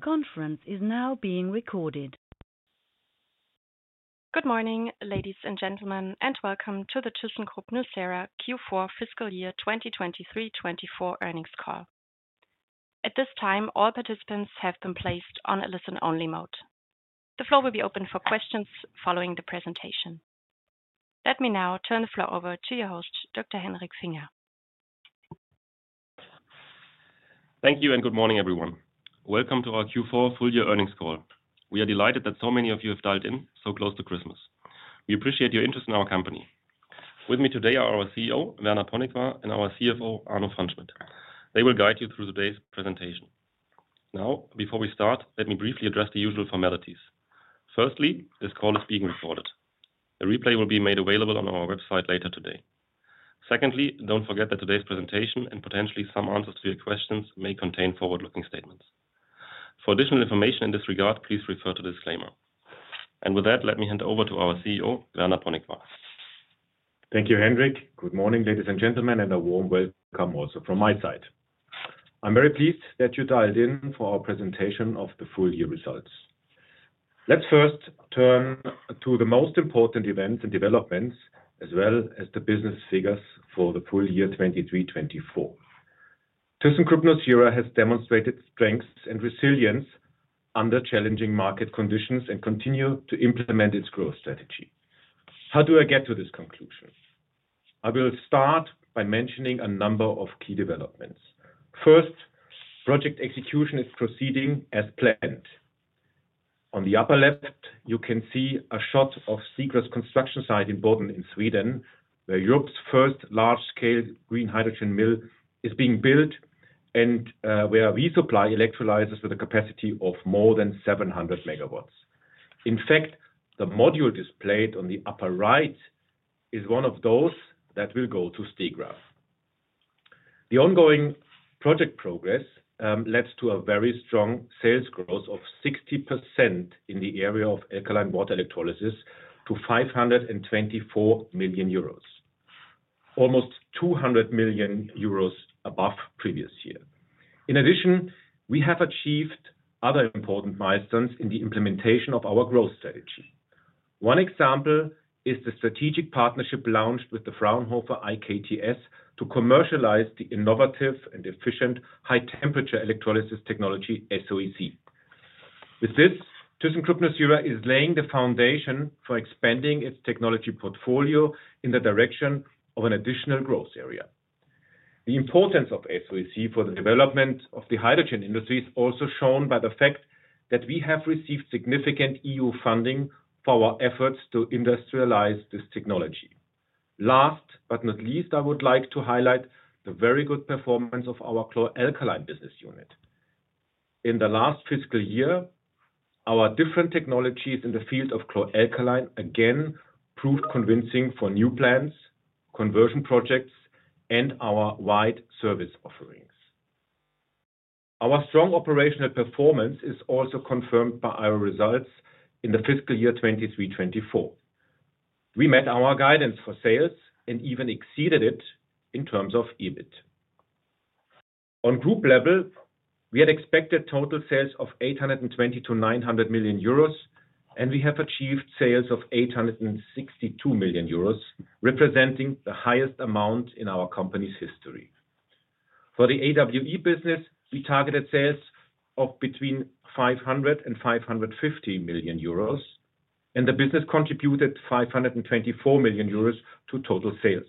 The conference is now being recorded. Good morning, ladies and gentlemen, and welcome to the thyssenkrupp nucera Q4 FY 2023-2024 earnings call. At this time, all participants have been placed on a listen-only mode. The floor will be open for questions following the presentation. Let me now turn the floor over to your host, Dr. Hendrik Finger. Thank you and good morning, everyone. Welcome to our Q4 full-year earnings call. We are delighted that so many of you have dialed in so close to Christmas. We appreciate your interest in our company. With me today are our CEO, Werner Ponikwar, and our CFO, Arno Pfannschmidt. They will guide you through today's presentation. Now, before we start, let me briefly address the usual formalities. Firstly, this call is being recorded. A replay will be made available on our website later today. Secondly, don't forget that today's presentation and potentially some answers to your questions may contain forward-looking statements. For additional information in this regard, please refer to the disclaimer. And with that, let me hand over to our CEO, Werner Ponikwar. Thank you, Hendrik. Good morning, ladies and gentlemen, and a warm welcome also from my side. I'm very pleased that you dialed in for our presentation of the full-year results. Let's first turn to the most important events and developments, as well as the business figures for the full year 2023-2024. Thyssenkrupp nucera has demonstrated strengths and resilience under challenging market conditions and continues to implement its growth strategy. How do I get to this conclusion? I will start by mentioning a number of key developments. First, project execution is proceeding as planned. On the upper left, you can see a shot of Stegra's construction site in Boden, in Sweden, where Europe's first large-scale green hydrogen mill is being built and where we supply electrolyzers with a capacity of more than 700 megawatts. In fact, the module displayed on the upper right is one of those that will go to Stegra. The ongoing project progress led to a very strong sales growth of 60% in the area of alkaline water electrolysis to 524 million euros, almost 200 million euros above previous year. In addition, we have achieved other important milestones in the implementation of our growth strategy. One example is the strategic partnership launched with the Fraunhofer IKTS to commercialize the innovative and efficient high-temperature electrolysis technology, SOEC. With this, thyssenkrupp nucera is laying the foundation for expanding its technology portfolio in the direction of an additional growth area. The importance of SOEC for the development of the hydrogen industry is also shown by the fact that we have received significant EU funding for our efforts to industrialize this technology. Last but not least, I would like to highlight the very good performance of our chlor-alkali business unit. In the last fiscal year, our different technologies in the field of chlor-alkali again proved convincing for new plants, conversion projects, and our wide service offerings. Our strong operational performance is also confirmed by our results in the fiscal year 2023-2024. We met our guidance for sales and even exceeded it in terms of EBIT. On group level, we had expected total sales of 820 to 900 million euros, and we have achieved sales of 862 million euros, representing the highest amount in our company's history. For the AWE business, we targeted sales of between 500 and 550 million euros, and the business contributed 524 million euros to total sales.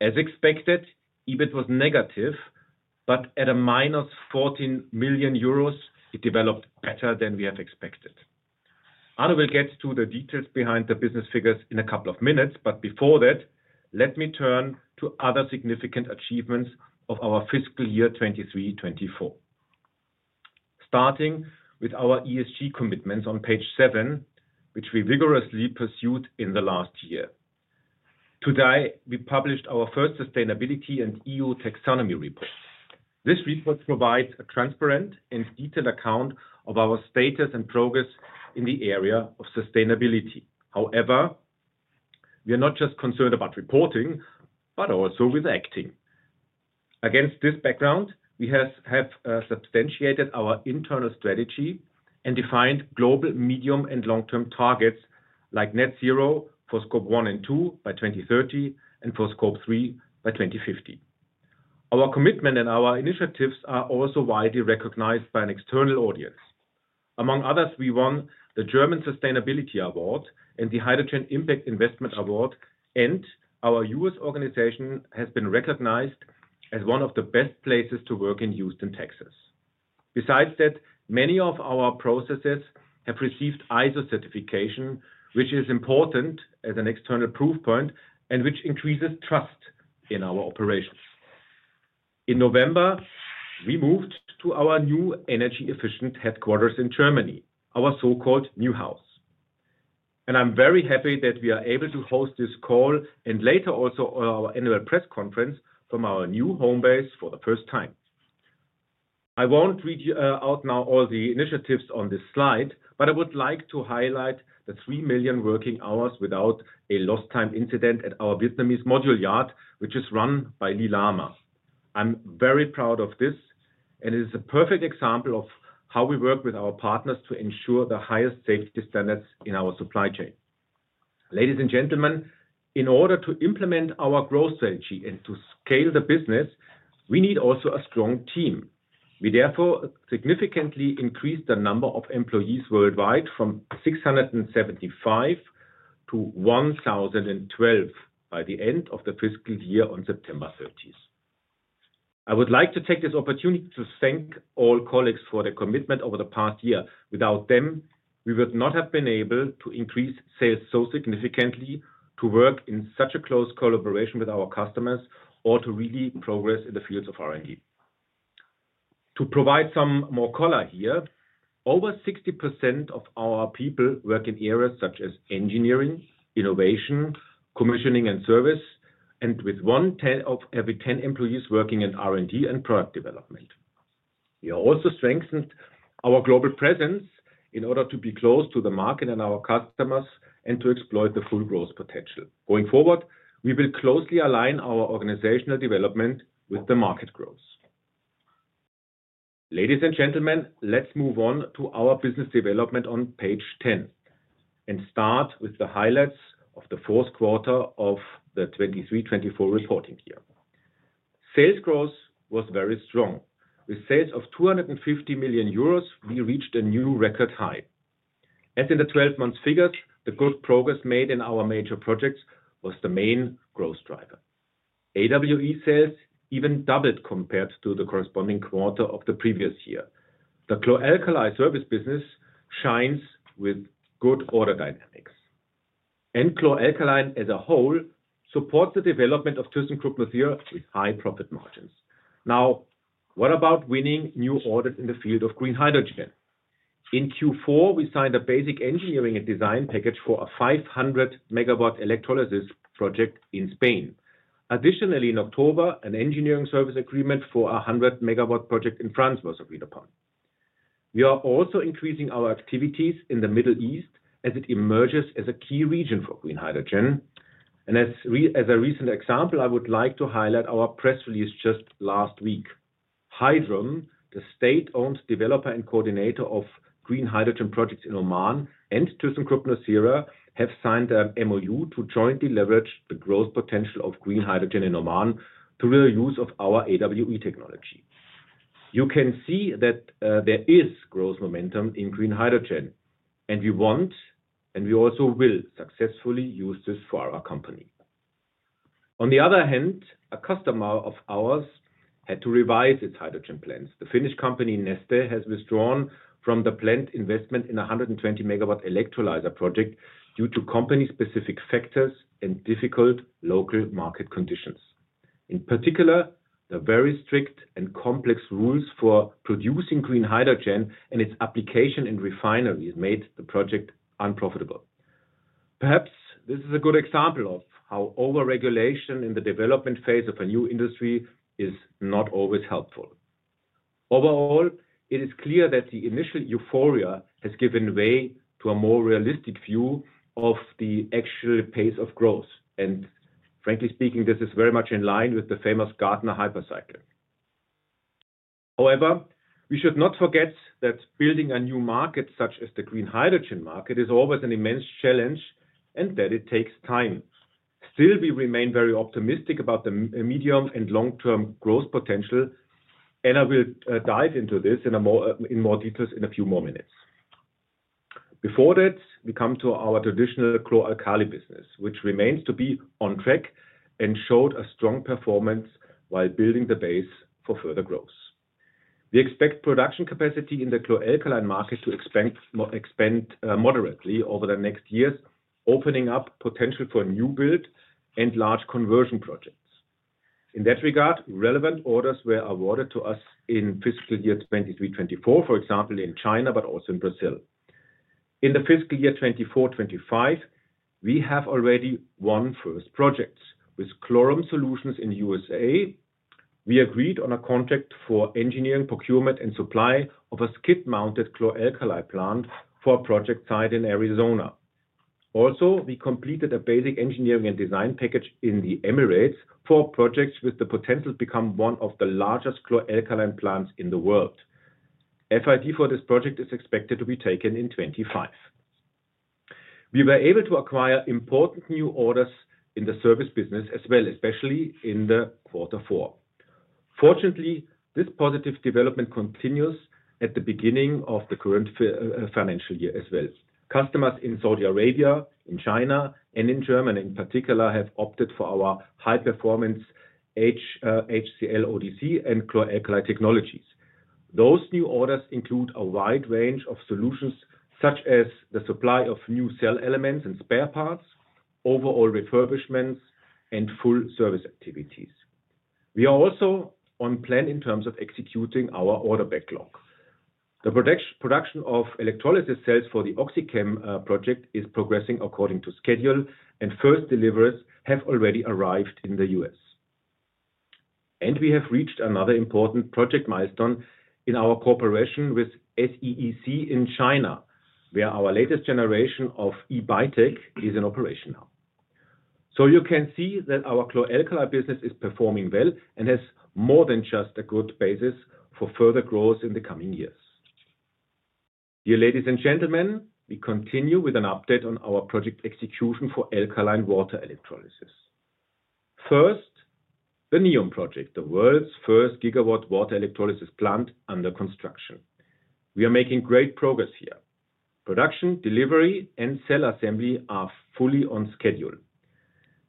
As expected, EBIT was negative, but at a minus 14 million euros, it developed better than we have expected. Arno will get to the details behind the business figures in a couple of minutes, but before that, let me turn to other significant achievements of our fiscal year 2023-2024, starting with our ESG commitments on page seven, which we vigorously pursued in the last year. Today, we published our first sustainability and EU taxonomy report. This report provides a transparent and detailed account of our status and progress in the area of sustainability. However, we are not just concerned about reporting, but also with acting. Against this background, we have substantiated our internal strategy and defined global medium and long-term targets like net zero for Scope 1 and 2 by 2030 and for Scope 3 by 2050. Our commitment and our initiatives are also widely recognized by an external audience. Among others, we won the German Sustainability Award and the Hydrogen Impact Investment Award, and our US organization has been recognized as one of the best places to work in Houston, Texas. Besides that, many of our processes have received ISO certification, which is important as an external proof point and which increases trust in our operations. In November, we moved to our new energy-efficient headquarters in Germany, our so-called new house, and I'm very happy that we are able to host this call and later also our annual press conference from our new home base for the first time. I won't read out now all the initiatives on this slide, but I would like to highlight the 3 million working hours without a lost time incident at our Vietnamese module yard, which is run by Lilama. I'm very proud of this, and it is a perfect example of how we work with our partners to ensure the highest safety standards in our supply chain. Ladies and gentlemen, in order to implement our growth strategy and to scale the business, we need also a strong team. We therefore significantly increased the number of employees worldwide from 675 to 1,012 by the end of the fiscal year on September 30. I would like to take this opportunity to thank all colleagues for their commitment over the past year. Without them, we would not have been able to increase sales so significantly, to work in such a close collaboration with our customers, or to really progress in the fields of R&D. To provide some more color here, over 60% of our people work in areas such as engineering, innovation, commissioning, and service, and with one tenth of every 10 employees working in R&D and product development. We also strengthened our global presence in order to be close to the market and our customers and to exploit the full growth potential. Going forward, we will closely align our organizational development with the market growth. Ladies and gentlemen, let's move on to our business development on page 10 and start with the highlights of the fourth quarter of the 2023-2024 reporting year. Sales growth was very strong. With sales of 250 million euros, we reached a new record high. As in the 12-month figures, the good progress made in our major projects was the main growth driver. AWE sales even doubled compared to the corresponding quarter of the previous year. The chlor-alkali service business shines with good order dynamics, and chlor-alkali as a whole supports the development of thyssenkrupp nucera with high profit margins. Now, what about winning new orders in the field of green hydrogen? In Q4, we signed a basic engineering and design package for a 500 megawatt electrolysis project in Spain. Additionally, in October, an engineering service agreement for a 100 megawatt project in France was agreed upon. We are also increasing our activities in the Middle East as it emerges as a key region for green hydrogen, and as a recent example, I would like to highlight our press release just last week. Hydrom, the state-owned developer and coordinator of green hydrogen projects in Oman, and thyssenkrupp nucera have signed an MoU to jointly leverage the growth potential of green hydrogen in Oman through the use of our AWE technology. You can see that there is growth momentum in green hydrogen, and we want and we also will successfully use this for our company. On the other hand, a customer of ours had to revise its hydrogen plants. The Finnish company Neste has withdrawn from the plant investment in a 120-megawatt electrolyzer project due to company-specific factors and difficult local market conditions. In particular, the very strict and complex rules for producing green hydrogen and its application in refineries made the project unprofitable. Perhaps this is a good example of how over-regulation in the development phase of a new industry is not always helpful. Overall, it is clear that the initial euphoria has given way to a more realistic view of the actual pace of growth, and frankly speaking, this is very much in line with the famous Gartner Hype Cycle. However, we should not forget that building a new market such as the green hydrogen market is always an immense challenge and that it takes time. Still, we remain very optimistic about the medium and long-term growth potential, and I will dive into this in more details in a few more minutes. Before that, we come to our traditional chlor-alkali business, which remains to be on track and showed a strong performance while building the base for further growth. We expect production capacity in the chlor-alkali market to expand moderately over the next years, opening up potential for new build and large conversion projects. In that regard, relevant orders were awarded to us in fiscal year 2023-2024, for example, in China, but also in Brazil. In the fiscal year 2024-25, we have already won first projects with Chlorum Solutions in the USA. We agreed on a contract for engineering, procurement, and supply of a skid-mounted chlor-alkali plant for a project site in Arizona. Also, we completed a basic engineering and design package in the Emirates for a project with the potential to become one of the largest chlor-alkali plants in the world. FID for this project is expected to be taken in 2025. We were able to acquire important new orders in the service business as well, especially in quarter four. Fortunately, this positive development continues at the beginning of the current financial year as well. Customers in Saudi Arabia, in China, and in Germany in particular have opted for our high-performance HCl ODC and chlor-alkali technologies. Those new orders include a wide range of solutions such as the supply of new cell elements and spare parts, overall refurbishments, and full service activities. We are also on plan in terms of executing our order backlog. The production of electrolysis cells for the OxyChem project is progressing according to schedule, and first deliveries have already arrived in the U.S. We have reached another important project milestone in our cooperation with SEEC in China, where our latest generation of e-BiTAC is in operation now. You can see that our chlor-alkali business is performing well and has more than just a good basis for further growth in the coming years. Dear ladies and gentlemen, we continue with an update on our project execution for alkaline water electrolysis. First, the NEOM project, the world's first gigawatt water electrolysis plant under construction. We are making great progress here. Production, delivery, and cell assembly are fully on schedule.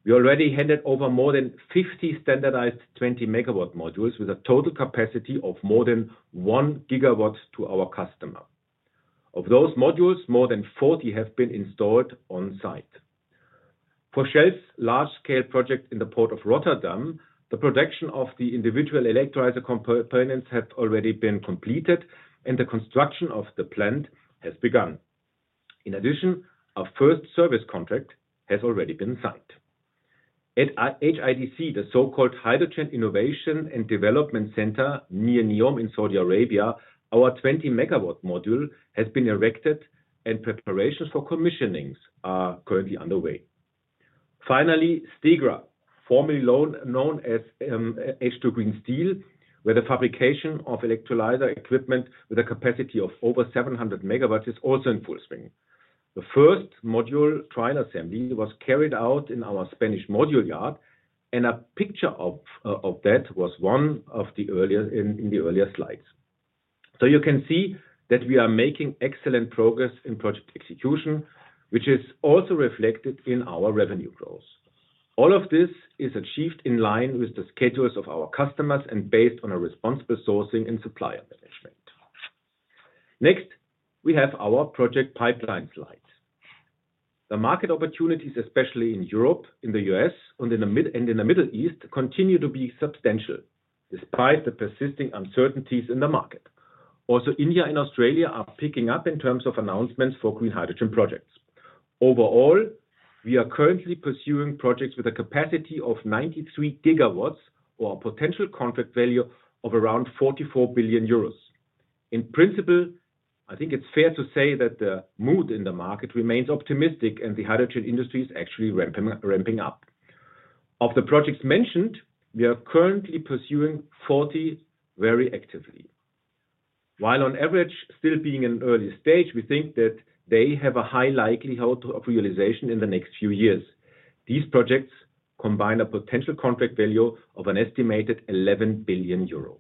We already handed over more than 50 standardized 20-megawatt modules with a total capacity of more than one gigawatt to our customer. Of those modules, more than 40 have been installed on site. For Shell's large-scale project in the port of Rotterdam, the production of the individual electrolyzer components has already been completed, and the construction of the plant has begun. In addition, our first service contract has already been signed. At HIDC, the so-called Hydrogen Innovation and Development Center near NEOM in Saudi Arabia, our 20-megawatt module has been erected, and preparations for commissioning are currently underway. Finally, Stegra, formerly known as H2 Green Steel, where the fabrication of electrolyzer equipment with a capacity of over 700 megawatts is also in full swing. The first module trial assembly was carried out in our Spanish module yard, and a picture of that was one of the earlier slides. So you can see that we are making excellent progress in project execution, which is also reflected in our revenue growth. All of this is achieved in line with the schedules of our customers and based on responsible sourcing and supplier management. Next, we have our project pipeline slides. The market opportunities, especially in Europe, in the U.S., and in the Middle East, continue to be substantial despite the persisting uncertainties in the market. Also, India and Australia are picking up in terms of announcements for green hydrogen projects. Overall, we are currently pursuing projects with a capacity of 93 gigawatts or a potential contract value of around 44 billion euros. In principle, I think it's fair to say that the mood in the market remains optimistic and the hydrogen industry is actually ramping up. Of the projects mentioned, we are currently pursuing 40 very actively. While on average still being in an early stage, we think that they have a high likelihood of realization in the next few years. These projects combine a potential contract value of an estimated 11 billion euro.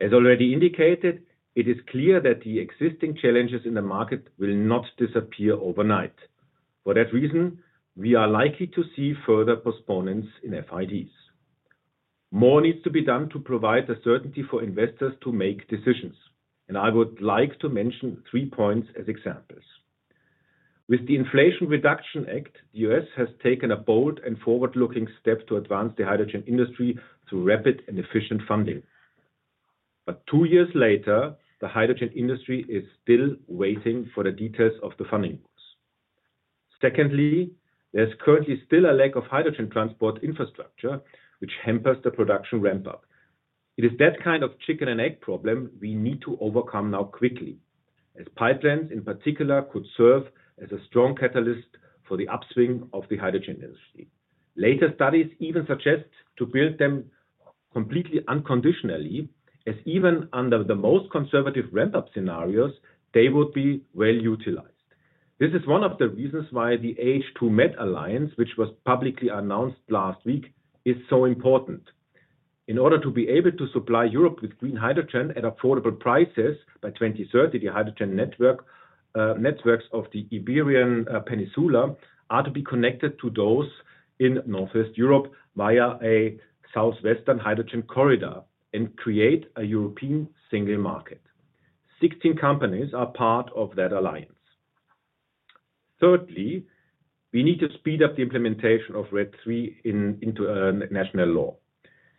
As already indicated, it is clear that the existing challenges in the market will not disappear overnight. For that reason, we are likely to see further postponements in FIDs. More needs to be done to provide the certainty for investors to make decisions, and I would like to mention three points as examples. With the Inflation Reduction Act, the U.S. has taken a bold and forward-looking step to advance the hydrogen industry through rapid and efficient funding. But two years later, the hydrogen industry is still waiting for the details of the funding rules. Secondly, there's currently still a lack of hydrogen transport infrastructure, which hampers the production ramp-up. It is that kind of chicken-and-egg problem we need to overcome now quickly, as pipelines in particular could serve as a strong catalyst for the upswing of the hydrogen industry. Later studies even suggest to build them completely unconditionally, as even under the most conservative ramp-up scenarios, they would be well utilized. This is one of the reasons why the H2Med Alliance, which was publicly announced last week, is so important. In order to be able to supply Europe with green hydrogen at affordable prices by 2030, the hydrogen networks of the Iberian Peninsula are to be connected to those in Northwest Europe via a southwestern hydrogen corridor and create a European single market. 16 companies are part of that alliance. Thirdly, we need to speed up the implementation of RED III into national law,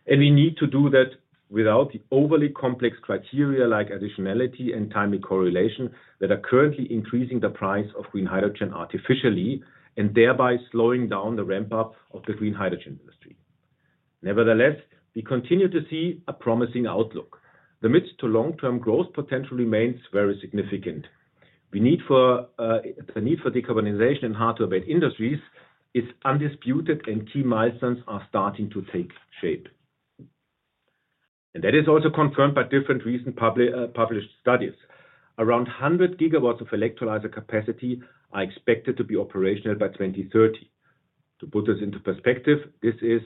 and we need to do that without the overly complex criteria like additionality and timely correlation that are currently increasing the price of green hydrogen artificially and thereby slowing down the ramp-up of the green hydrogen industry. Nevertheless, we continue to see a promising outlook. The mid-to-long-term growth potential remains very significant. The need for decarbonization in hard-to-abate industries is undisputed, and key milestones are starting to take shape, and that is also confirmed by different recent published studies. Around 100 gigawatts of electrolyzer capacity are expected to be operational by 2030. To put this into perspective, this is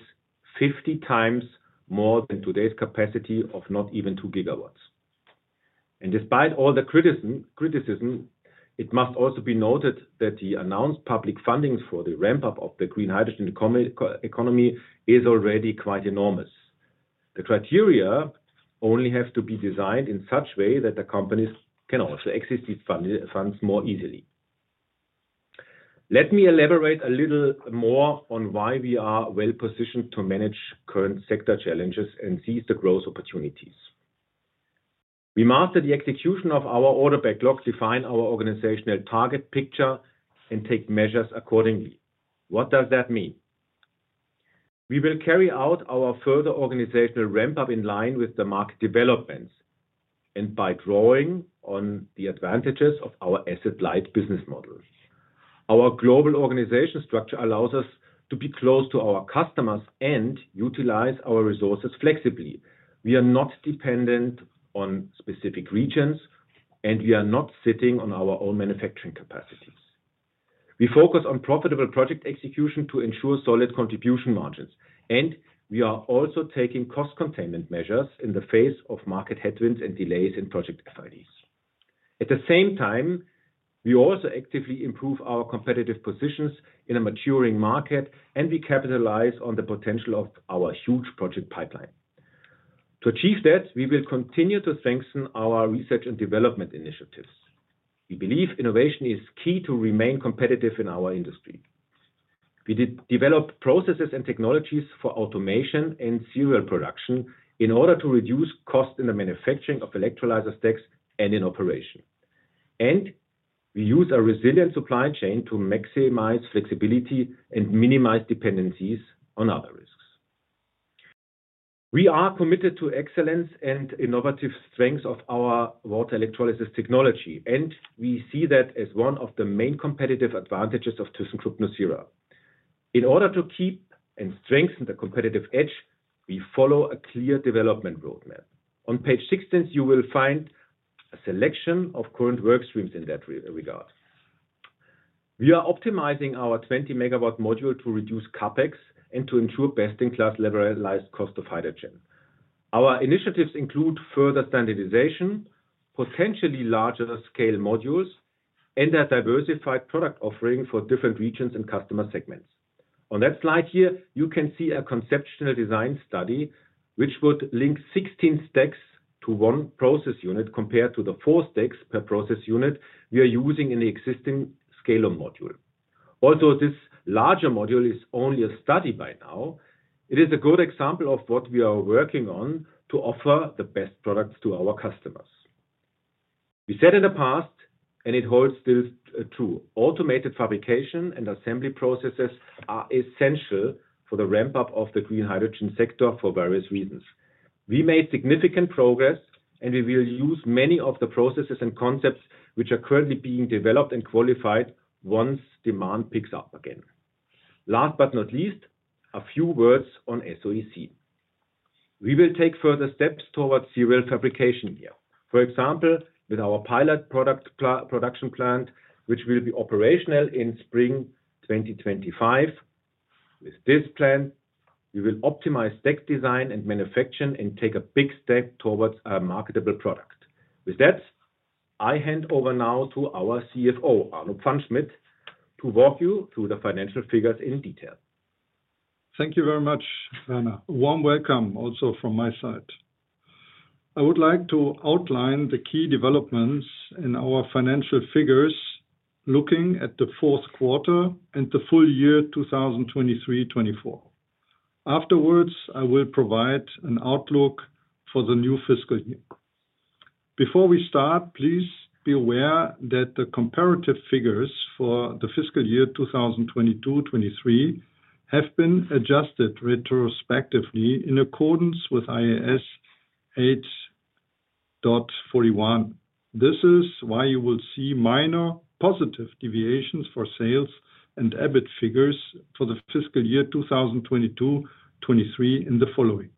50 times more than today's capacity of not even 2 gigawatts. And despite all the criticism, it must also be noted that the announced public fundings for the ramp-up of the green hydrogen economy is already quite enormous. The criteria only have to be designed in such a way that the companies can also access these funds more easily. Let me elaborate a little more on why we are well-positioned to manage current sector challenges and seize the growth opportunities. We master the execution of our order backlog, define our organizational target picture, and take measures accordingly. What does that mean? We will carry out our further organizational ramp-up in line with the market developments and by drawing on the advantages of our asset-light business model. Our global organization structure allows us to be close to our customers and utilize our resources flexibly. We are not dependent on specific regions, and we are not sitting on our own manufacturing capacities. We focus on profitable project execution to ensure solid contribution margins, and we are also taking cost-containment measures in the face of market headwinds and delays in project FIDs. At the same time, we also actively improve our competitive positions in a maturing market, and we capitalize on the potential of our huge project pipeline. To achieve that, we will continue to strengthen our research and development initiatives. We believe innovation is key to remain competitive in our industry. We develop processes and technologies for automation and serial production in order to reduce costs in the manufacturing of electrolyzer stacks and in operation. And we use a resilient supply chain to maximize flexibility and minimize dependencies on other risks. We are committed to excellence and innovative strengths of our water electrolysis technology, and we see that as one of the main competitive advantages of thyssenkrupp nucera. In order to keep and strengthen the competitive edge, we follow a clear development roadmap. On page 16, you will find a selection of current workstreams in that regard. We are optimizing our 20-megawatt module to reduce CapEx and to ensure best-in-class levelized cost of hydrogen. Our initiatives include further standardization, potentially larger-scale modules, and a diversified product offering for different regions and customer segments. On that slide here, you can see a conceptual design study which would link 16 stacks to one process unit compared to the four stacks per process unit we are using in the existing scalum module. Although this larger module is only a study by now, it is a good example of what we are working on to offer the best products to our customers. We said in the past, and it still holds true, automated fabrication and assembly processes are essential for the ramp-up of the green hydrogen sector for various reasons. We made significant progress, and we will use many of the processes and concepts which are currently being developed and qualified once demand picks up again. Last but not least, a few words on SOEC. We will take further steps towards serial fabrication here. For example, with our pilot production plant, which will be operational in spring 2025. With this plant, we will optimize stack design and manufacturing and take a big step towards a marketable product. With that, I hand over now to our CFO, Arno Pfannschmidt, to walk you through the financial figures in detail. Thank you very much, Werner. Warm welcome also from my side. I would like to outline the key developments in our financial figures looking at the fourth quarter and the full year 2023-2024. Afterwards, I will provide an outlook for the new fiscal year. Before we start, please be aware that the comparative figures for the fiscal year 2022-23 have been adjusted retrospectively in accordance with IAS 8.41. This is why you will see minor positive deviations for sales and EBIT figures for the fiscal year 2022-23 in the following.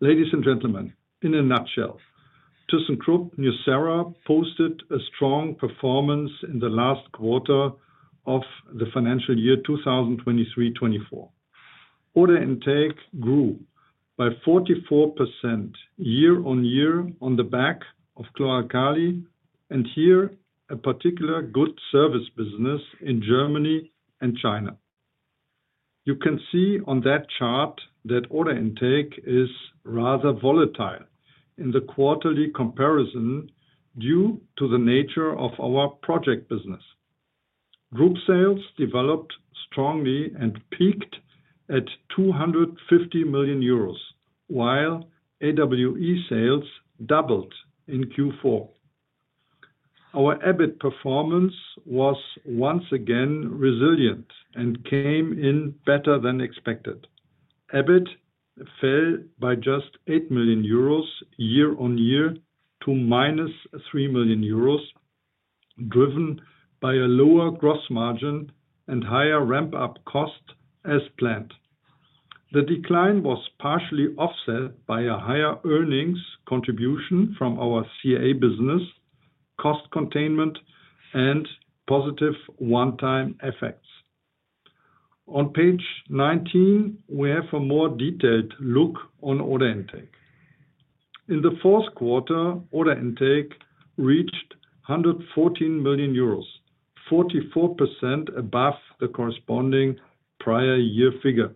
Ladies and gentlemen, in a nutshell, thyssenkrupp nucera posted a strong performance in the last quarter of the financial year 2023-2024. Order intake grew by 44% year-on-year on the back of chlor-alkali, and here a particular good service business in Germany and China. You can see on that chart that order intake is rather volatile in the quarterly comparison due to the nature of our project business. Group sales developed strongly and peaked at 250 million euros, while AWE sales doubled in Q4. Our EBIT performance was once again resilient and came in better than expected. EBIT fell by just 8 million euros year-on-year to minus 3 million euros, driven by a lower gross margin and higher ramp-up cost as planned. The decline was partially offset by a higher earnings contribution from our CA business, cost containment, and positive one-time effects. On page 19, we have a more detailed look on order intake. In the fourth quarter, order intake reached 114 million euros, 44% above the corresponding prior year figure.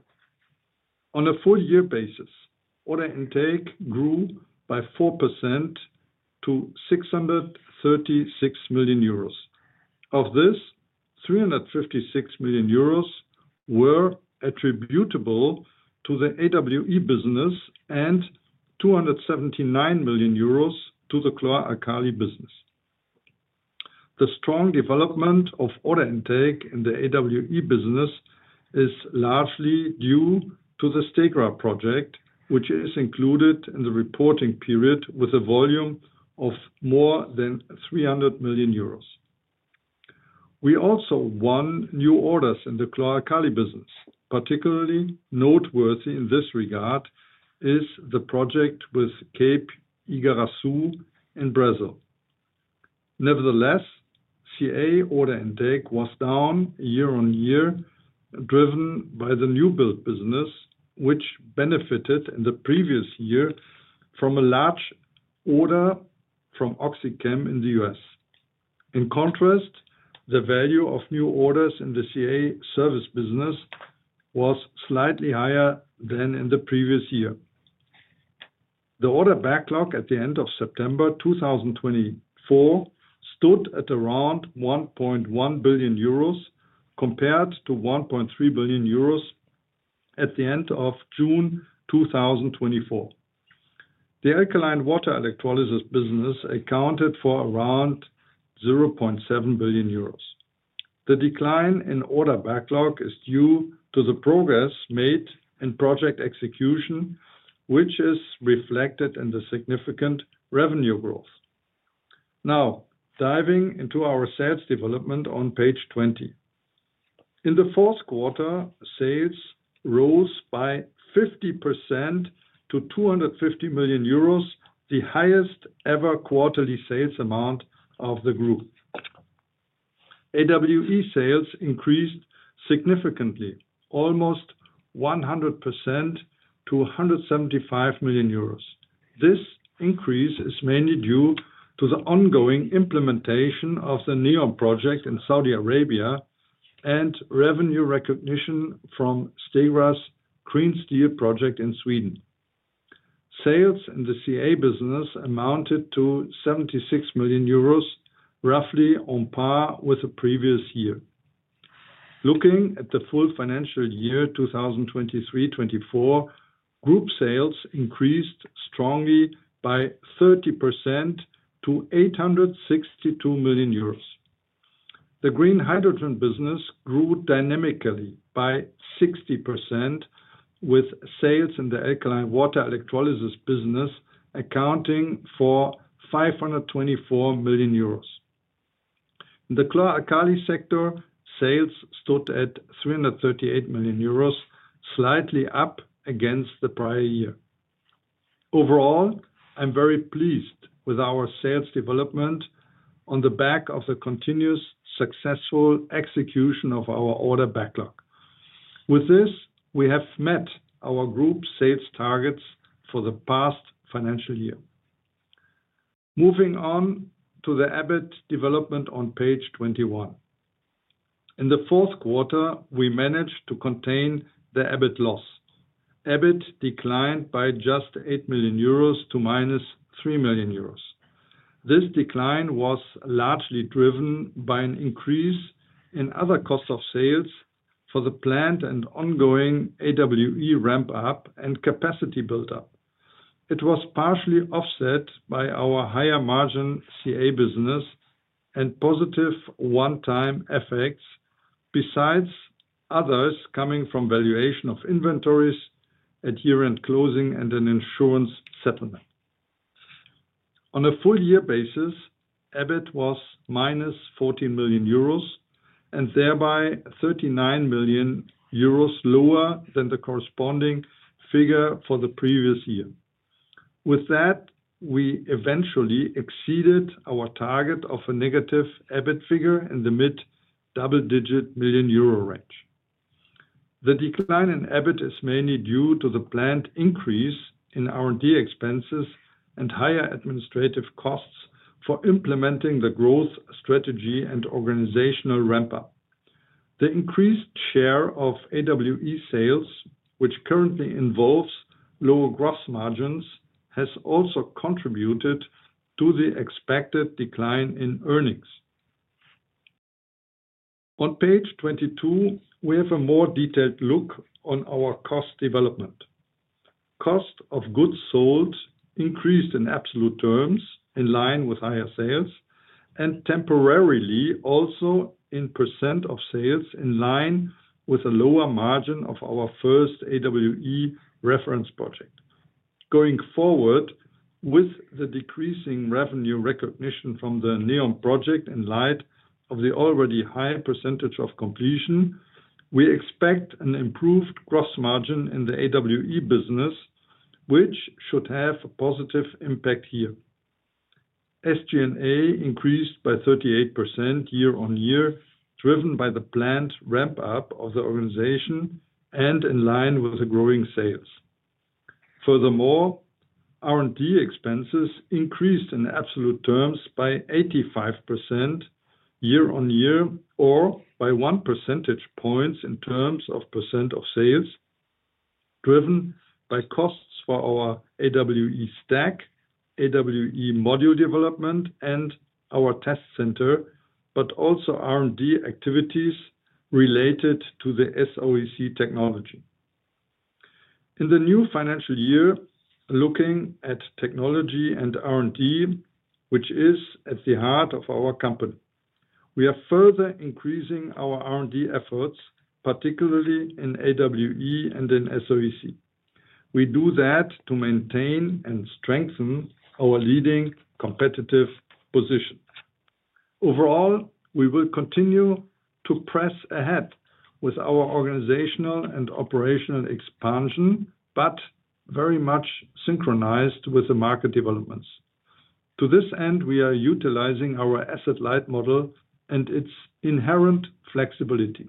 On a full-year basis, order intake grew by 4% to 636 million euros. Of this, 356 million euros were attributable to the AWE business and 279 million euros to the chlor-alkali business. The strong development of order intake in the AWE business is largely due to the Stegra project, which is included in the reporting period with a volume of more than 300 million euros. We also won new orders in the chlor-alkali business. Particularly noteworthy in this regard is the project with Chlorum in Igarassu in Brazil. Nevertheless, CA order intake was down year-on-year, driven by the New Build business, which benefited in the previous year from a large order from OxyChem in the U.S. In contrast, the value of new orders in the CA service business was slightly higher than in the previous year. The order backlog at the end of September 2024 stood at around 1.1 billion euros compared to 1.3 billion euros at the end of June 2024. The alkaline water electrolysis business accounted for around 0.7 billion euros. The decline in order backlog is due to the progress made in project execution, which is reflected in the significant revenue growth. Now, diving into our sales development on page 20. In the fourth quarter, sales rose by 50% to 250 million euros, the highest ever quarterly sales amount of the group. AWE sales increased significantly, almost 100% to 175 million euros. This increase is mainly due to the ongoing implementation of the NEOM project in Saudi Arabia and revenue recognition from Stegra's Green Steel project in Sweden. Sales in the CA business amounted to 76 million euros, roughly on par with the previous year. Looking at the full financial year 2023-2024, group sales increased strongly by 30% to 862 million euros. The green hydrogen business grew dynamically by 60%, with sales in the alkaline water electrolysis business accounting for 524 million euros. In the chlor-alkali sector, sales stood at 338 million euros, slightly up against the prior year. Overall, I'm very pleased with our sales development on the back of the continuous successful execution of our order backlog. With this, we have met our group sales targets for the past financial year. Moving on to the EBIT development on page 21. In the fourth quarter, we managed to contain the EBIT loss. EBIT declined by just 8 million euros to minus 3 million euros. This decline was largely driven by an increase in other costs of sales for the planned and ongoing AWE ramp-up and capacity build-up. It was partially offset by our higher margin CA business and positive one-time effects, besides others coming from valuation of inventories, year-end closing, and an insurance settlement. On a full-year basis, EBIT was minus 14 million euros and thereby 39 million euros lower than the corresponding figure for the previous year. With that, we eventually exceeded our target of a negative EBIT figure in the mid-double-digit million EUR range. The decline in EBIT is mainly due to the planned increase in R&D expenses and higher administrative costs for implementing the growth strategy and organizational ramp-up. The increased share of AWE sales, which currently involves lower gross margins, has also contributed to the expected decline in earnings. On page 22, we have a more detailed look on our cost development. Cost of goods sold increased in absolute terms in line with higher sales and temporarily also in % of sales in line with a lower margin of our first AWE reference project. Going forward, with the decreasing revenue recognition from the NEOM project in light of the already high percentage of completion, we expect an improved gross margin in the AWE business, which should have a positive impact here. SG&A increased by 38% year-on-year, driven by the planned ramp-up of the organization and in line with the growing sales. Furthermore, R&D expenses increased in absolute terms by 85% year-on-year or by 1 percentage point in terms of % of sales, driven by costs for our AWE stack, AWE module development, and our test center, but also R&D activities related to the SOEC technology. In the new financial year, looking at technology and R&D, which is at the heart of our company, we are further increasing our R&D efforts, particularly in AWE and in SOEC. We do that to maintain and strengthen our leading competitive position. Overall, we will continue to press ahead with our organizational and operational expansion, but very much synchronized with the market developments. To this end, we are utilizing our asset-light model and its inherent flexibility.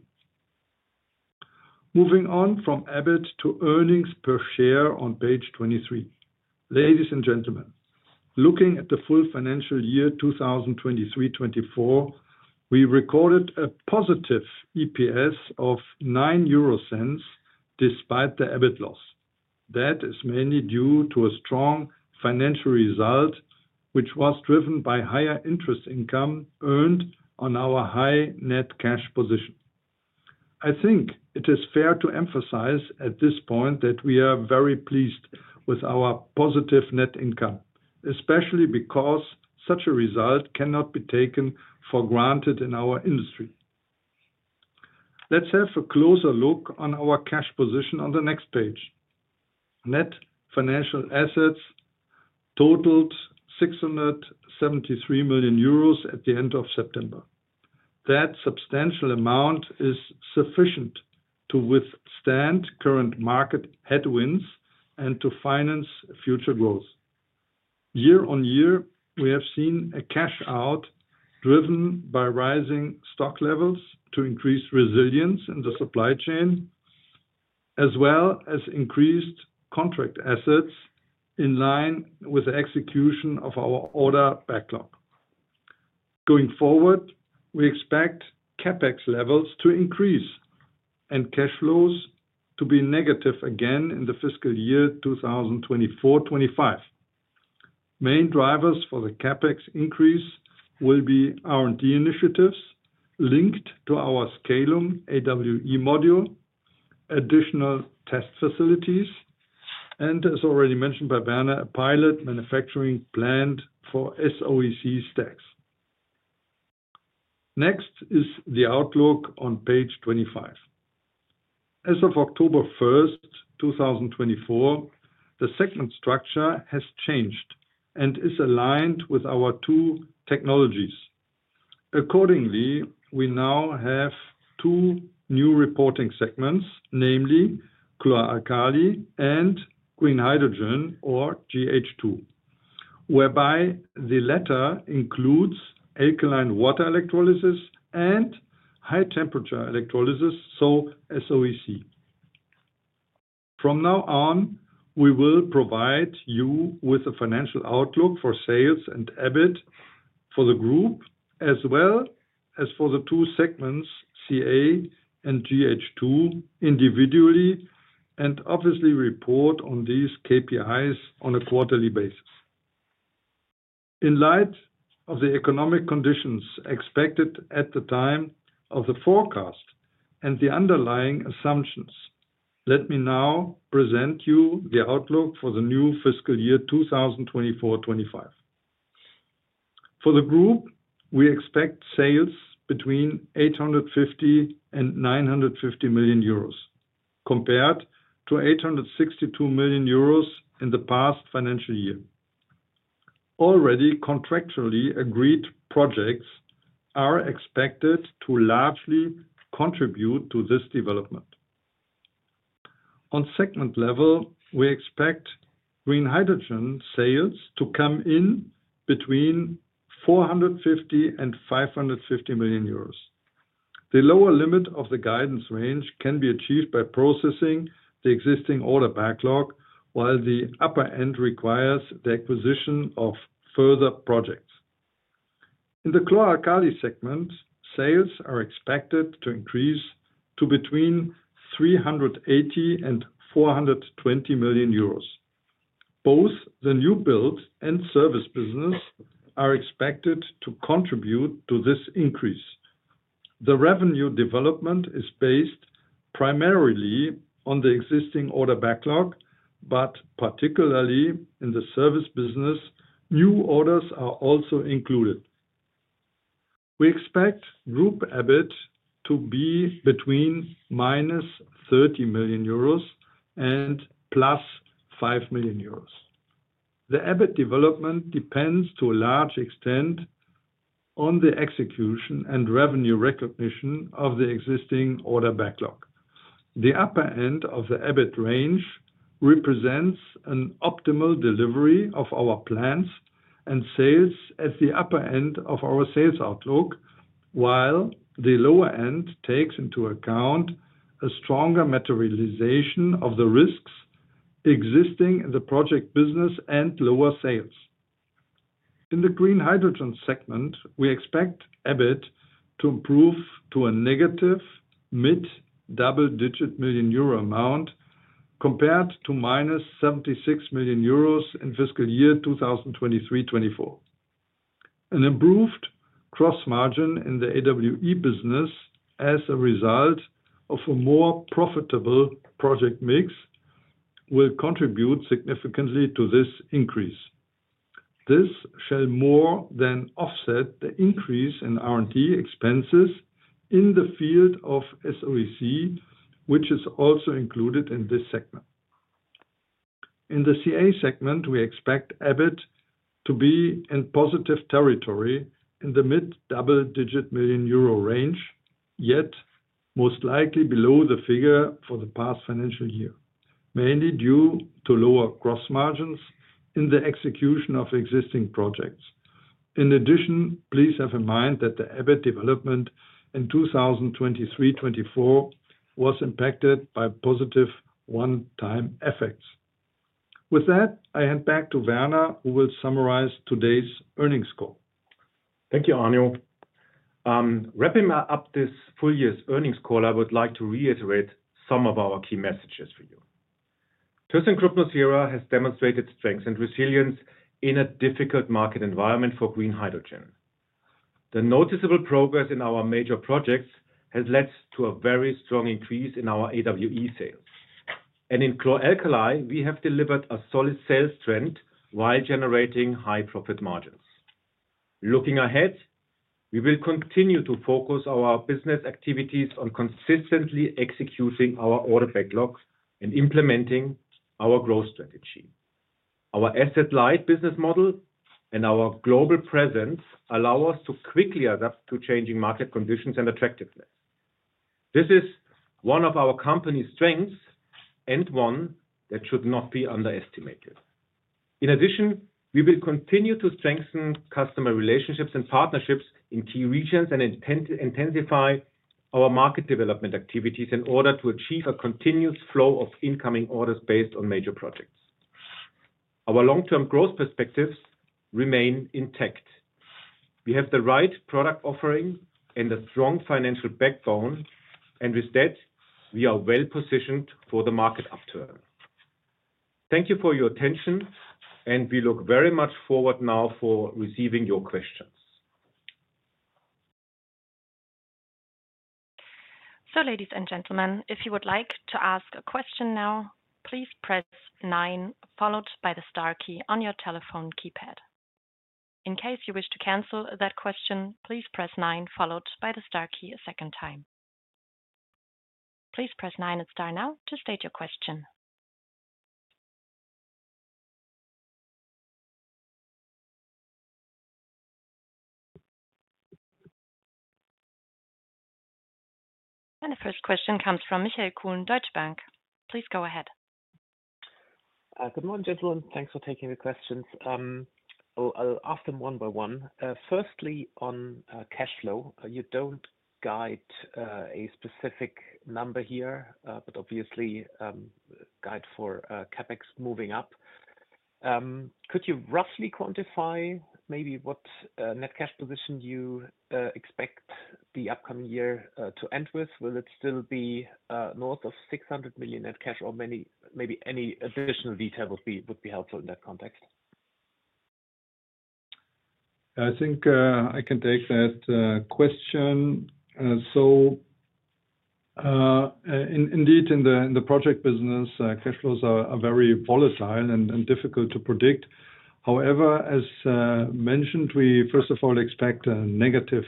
Moving on from EBIT to earnings per share on page 23. Ladies and gentlemen, looking at the full financial year 2023-2024, we recorded a positive EPS of 0.09 despite the EBIT loss. That is mainly due to a strong financial result, which was driven by higher interest income earned on our high net cash position. I think it is fair to emphasize at this point that we are very pleased with our positive net income, especially because such a result cannot be taken for granted in our industry. Let's have a closer look on our cash position on the next page. Net financial assets totaled 673 million euros at the end of September. That substantial amount is sufficient to withstand current market headwinds and to finance future growth. Year-on-year, we have seen a cash out driven by rising stock levels to increase resilience in the supply chain, as well as increased contract assets in line with the execution of our order backlog. Going forward, we expect CapEx levels to increase and cash flows to be negative again in the fiscal year 2024-25. Main drivers for the CapEx increase will be R&D initiatives linked to our scalum AWE module, additional test facilities, and, as already mentioned by Werner, a pilot manufacturing planned for SOEC stacks. Next is the outlook on page 25. As of October 1st, 2024, the segment structure has changed and is aligned with our two technologies. Accordingly, we now have two new reporting segments, namely chlor-alkali and green hydrogen or GH2, whereby the latter includes alkaline water electrolysis and high temperature electrolysis, so SOEC. From now on, we will provide you with a financial outlook for sales and EBIT for the group, as well as for the two segments, CA and GH2, individually, and obviously report on these KPIs on a quarterly basis. In light of the economic conditions expected at the time of the forecast and the underlying assumptions, let me now present you the outlook for the new fiscal year 2024-25. For the group, we expect sales between 850 million and 950 million euros, compared to 862 million euros in the past financial year. Already contractually agreed projects are expected to largely contribute to this development. On segment level, we expect green hydrogen sales to come in between 450 million and 550 million euros. The lower limit of the guidance range can be achieved by processing the existing order backlog, while the upper end requires the acquisition of further projects. In the chlor-alkali segment, sales are expected to increase to between 380 million and 420 million euros. Both the New Build and Service business are expected to contribute to this increase. The revenue development is based primarily on the existing order backlog, but particularly in the Service business, new orders are also included. We expect group EBIT to be between -30 million euros and +5 million euros. The EBIT development depends to a large extent on the execution and revenue recognition of the existing order backlog. The upper end of the EBIT range represents an optimal delivery of our plans and sales at the upper end of our sales outlook, while the lower end takes into account a stronger materialization of the risks existing in the Project business and lower sales. In the green hydrogen segment, we expect EBIT to improve to a negative mid-double-digit million EUR amount compared to minus 76 million euros in fiscal year 2023-2024. An improved gross margin in the AWE business as a result of a more profitable project mix will contribute significantly to this increase. This shall more than offset the increase in R&D expenses in the field of SOEC, which is also included in this segment. In the CA segment, we expect EBIT to be in positive territory in the mid-double-digit million EUR range, yet most likely below the figure for the past financial year, mainly due to lower gross margins in the execution of existing projects. In addition, please have in mind that the EBIT development in 2023-2024 was impacted by positive one-time effects. With that, I hand back to Werner, who will summarize today's earnings call. Thank you, Arno. Wrapping up this full year's earnings call, I would like to reiterate some of our key messages for you. Thyssenkrupp nucera has demonstrated strength and resilience in a difficult market environment for green hydrogen. The noticeable progress in our major projects has led to a very strong increase in our AWE sales. And in chlor-alkali, we have delivered a solid sales trend while generating high profit margins. Looking ahead, we will continue to focus our business activities on consistently executing our order backlog and implementing our growth strategy. Our asset-light business model and our global presence allow us to quickly adapt to changing market conditions and attractiveness. This is one of our company's strengths and one that should not be underestimated. In addition, we will continue to strengthen customer relationships and partnerships in key regions and intensify our market development activities in order to achieve a continuous flow of incoming orders based on major projects. Our long-term growth perspectives remain intact. We have the right product offering and a strong financial backbone, and with that, we are well positioned for the market upturn. Thank you for your attention, and we look very much forward now to receiving your questions. So, ladies and gentlemen, if you would like to ask a question now, please press nine, followed by the star key on your telephone keypad. In case you wish to cancel that question, please press nine, followed by the star key a second time. Please press nine and star now to state your question. And the first question comes from Michael Kuhn, Deutsche Bank. Please go ahead. Good morning, gentlemen. Thanks for taking the questions. I'll ask them one by one. Firstly, on cash flow, you don't guide a specific number here, but obviously guide for CapEx moving up. Could you roughly quantify maybe what net cash position you expect the upcoming year to end with? Will it still be north of 600 million net cash, or maybe any additional detail would be helpful in that context? I think I can take that question. Indeed, in the Project business, cash flows are very volatile and difficult to predict. However, as mentioned, we first of all expect a negative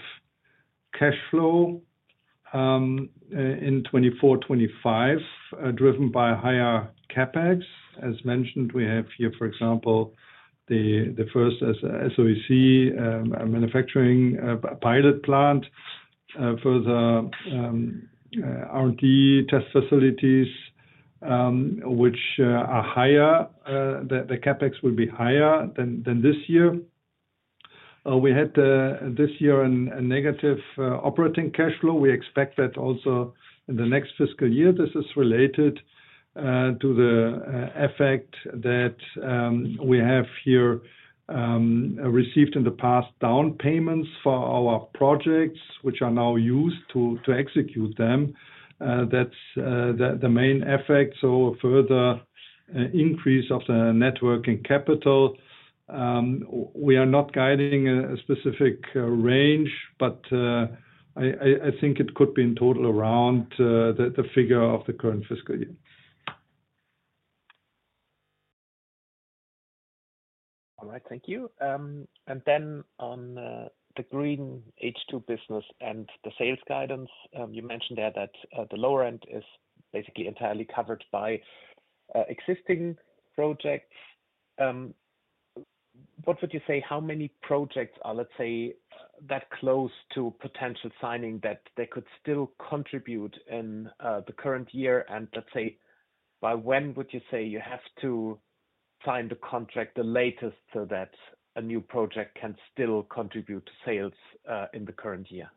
cash flow in 2024-2025, driven by higher CapEx. As mentioned, we have here, for example, the first SOEC manufacturing pilot plant, further R&D test facilities, which are higher. The CapEx will be higher than this year. We had this year a negative operating cash flow. We expect that also in the next fiscal year. This is related to the effect that we have here received in the past down payments for our projects, which are now used to execute them. That's the main effect, so a further increase of the net working capital. We are not guiding a specific range, but I think it could be in total around the figure of the current fiscal year. All right, thank you. And then on the Green H2 business and the sales guidance, you mentioned there that the lower end is basically entirely covered by existing projects. What would you say, how many projects are, let's say, that close to potential signing that they could still contribute in the current year? And let's say, by when would you say you have to sign the contract the latest so that a new project can still contribute to sales in the current year?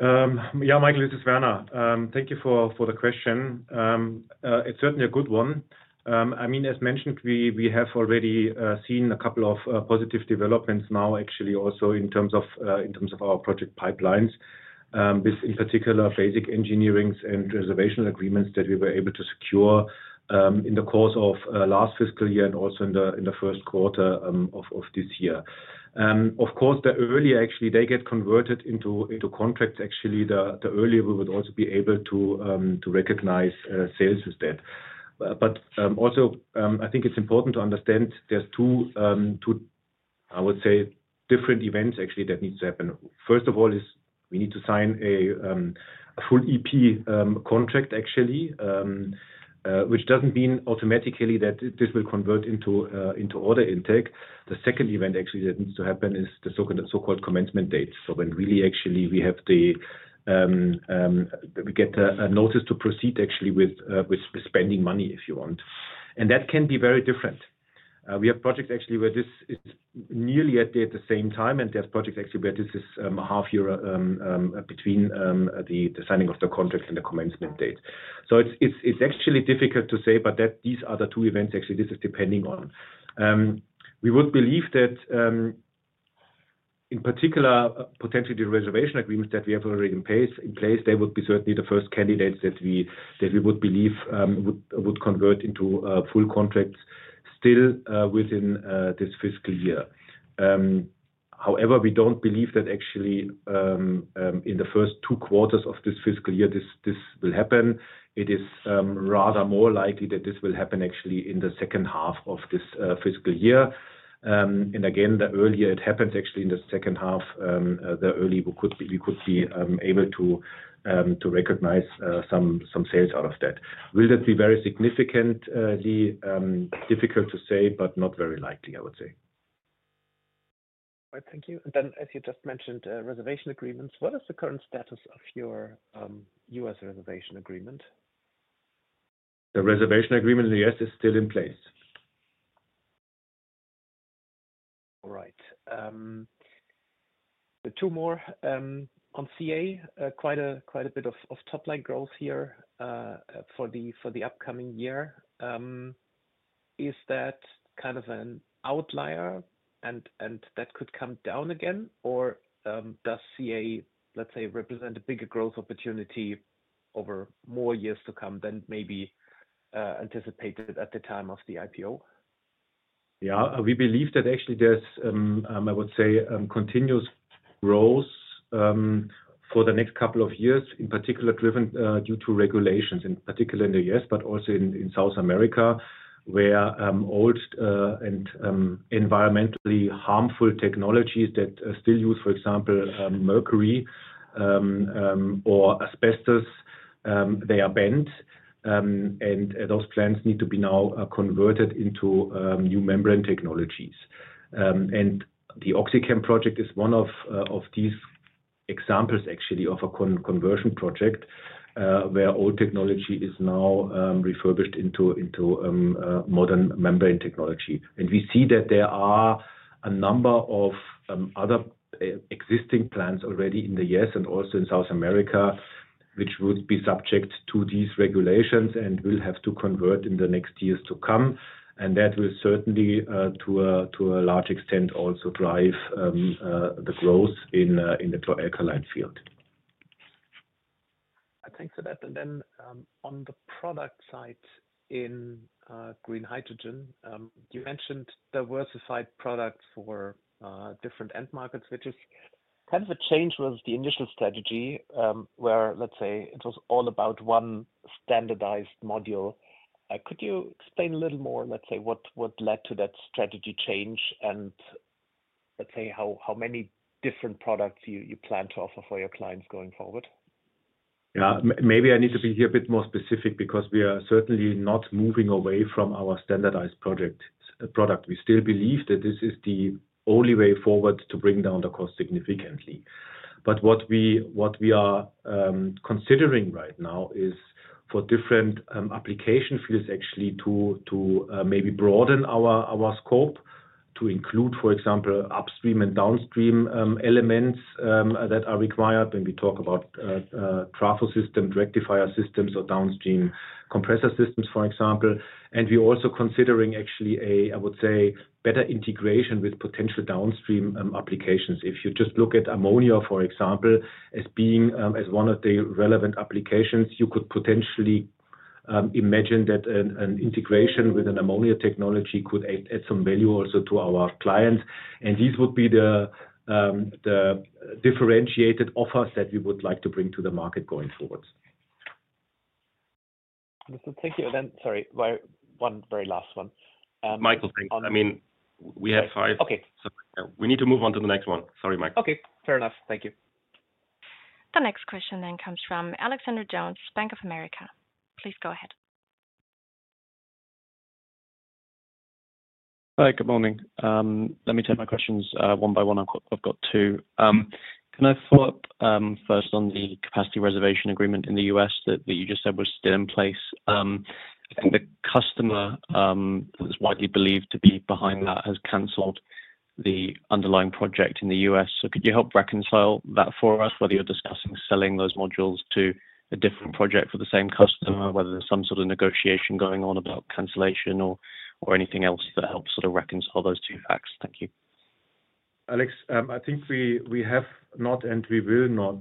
Yeah, Michael, this is Werner. Thank you for the question. It's certainly a good one. I mean, as mentioned, we have already seen a couple of positive developments now, actually, also in terms of our project pipelines, with in particular basic engineerings and reservation agreements that we were able to secure in the course of last fiscal year and also in the first quarter of this year. Of course, the earlier actually they get converted into contracts actually the earlier we would also be able to recognize sales with that. But also, I think it's important to understand there's two, I would say, different events actually that need to happen. First of all, we need to sign a full EP contract actually which doesn't mean automatically that this will convert into order intake. The second event actually that needs to happen is the so-called commencement date, so when really actually we get a notice to proceed actually with spending money, if you want. And that can be very different. We have projects actually where this is nearly at the same time, and there's projects actually where this is a half year between the signing of the contract and the commencement date. So it's actually difficult to say, but these are the two events, actually, this is depending on. We would believe that, in particular, potentially the reservation agreements that we have already in place, they would be certainly the first candidates that we would believe would convert into full contracts still within this fiscal year. However, we don't believe that, actually, in the first two quarters of this fiscal year, this will happen. It is rather more likely that this will happen, actually, in the second half of this fiscal year. And again, the earlier it happens, actually, in the second half, the earlier we could be able to recognize some sales out of that. Will that be very significantly difficult to say, but not very likely, I would say. All right, thank you. And then, as you just mentioned, reservation agreements. What is the current status of your U.S. reservation agreement? The reservation agreement in the U.S. is still in place. All right. Two more on CA: quite a bit of top-line growth here for the upcoming year. Is that kind of an outlier, and that could come down again, or does CA, let's say, represent a bigger growth opportunity over more years to come than maybe anticipated at the time of the IPO? Yeah, we believe that, actually, there's, I would say, continuous growth for the next couple of years, in particular, driven due to regulations, in particular in the U.S., but also in South America, where old and environmentally harmful technologies that still use, for example, mercury or asbestos, they are banned, and those plants need to be now converted into new membrane technologies. And the OxyChem project is one of these examples, actually, of a conversion project where old technology is now refurbished into modern membrane technology. And we see that there are a number of other existing plants already in the U.S. and also in South America, which would be subject to these regulations and will have to convert in the next years to come. And that will certainly, to a large extent, also drive the growth in the chlor-alkali field. Thanks for that. And then on the product side in green hydrogen, you mentioned diversified products for different end markets, which is kind of a change with the initial strategy where, let's say, it was all about one standardized module. Could you explain a little more, let's say, what led to that strategy change and, let's say, how many different products you plan to offer for your clients going forward? Yeah, maybe I need to be a bit more specific because we are certainly not moving away from our standardized product. We still believe that this is the only way forward to bring down the cost significantly. But what we are considering right now is for different application fields, actually, to maybe broaden our scope to include, for example, upstream and downstream elements that are required when we talk about trafo systems, rectifier systems, or downstream compressor systems, for example. And we're also considering, actually, a, I would say, better integration with potential downstream applications. If you just look at ammonia, for example, as being one of the relevant applications, you could potentially imagine that an integration with an ammonia technology could add some value also to our clients. And these would be the differentiated offers that we would like to bring to the market going forward. Thank you. And then, sorry, one very last one. Michael, thank you. I mean, we have five. Okay. We need to move on to the next one. Sorry, Michael. Okay, fair enough. Thank you. The next question then comes from Alexander Jones, Bank of America. Please go ahead. Hi, good morning. Let me take my questions one by one. I've got two. Can I follow up first on the capacity reservation agreement in the U.S. that you just said was still in place? I think the customer that's widely believed to be behind that has canceled the underlying project in the U.S. So could you help reconcile that for us, whether you're discussing selling those modules to a different project for the same customer, whether there's some sort of negotiation going on about cancellation or anything else that helps sort of reconcile those two facts? Thank you. Alex, I think we have not, and we will not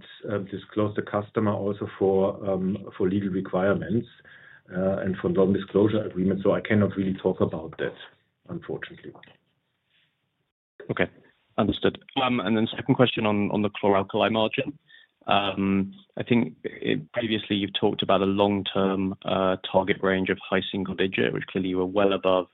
disclose the customer also for legal requirements and for non-disclosure agreements, so I cannot really talk about that, unfortunately. Okay, understood. And then second question on the chlor-alkali margin. I think previously you've talked about a long-term target range of high single digit, which clearly you were well above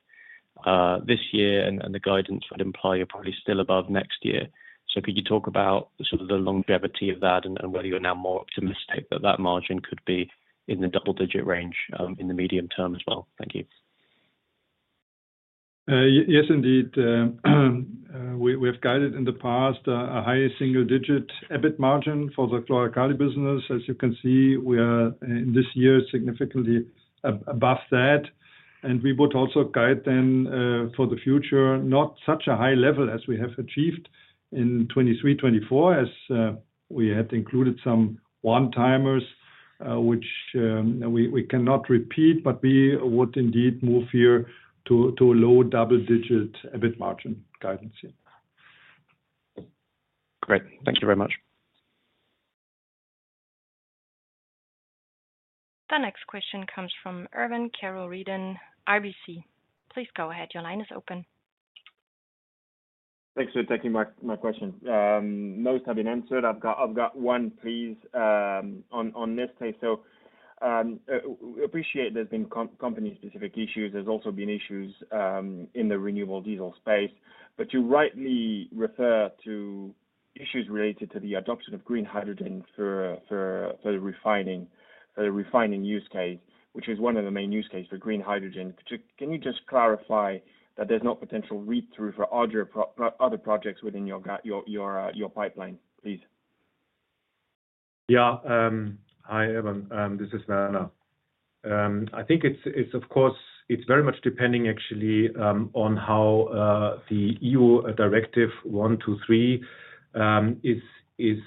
this year, and the guidance would imply you're probably still above next year. So could you talk about sort of the longevity of that and whether you're now more optimistic that that margin could be in the double-digit range in the medium term as well? Thank you. Yes, indeed. We have guided in the past a higher single-digit EBIT margin for the chlor-alkali business. As you can see, we are in this year significantly above that. And we would also guide then for the future, not such a high level as we have achieved in 2023-2024, as we had included some one-timers, which we cannot repeat, but we would indeed move here to a low double-digit EBIT margin guidance here. Great. Thank you very much. The next question comes from Erwan Kerouredan, RBC Capital Markets. Please go ahead. Your line is open. Thanks for taking my question. Most have been answered. I've got one, please, on this day. So we appreciate there's been company-specific issues. There's also been issues in the renewable diesel space. But you rightly refer to issues related to the adoption of green hydrogen for the refining use case, which is one of the main use cases for green hydrogen. Can you just clarify that there's no potential read-through for other projects within your pipeline, please? Yeah, hi, Erwin. This is Werner. I think it's, of course, it's very much depending, actually, on how the RED III is